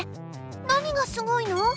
何がすごいの？